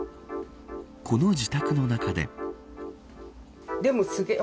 この自宅の中で。